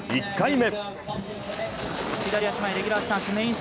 １回目。